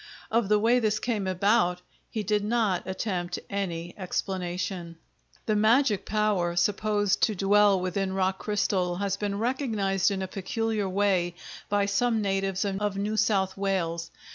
Of the way this came about he did not attempt any explanation. The magic power supposed to dwell within rock crystal has been recognized in a peculiar way by some natives of New South Wales.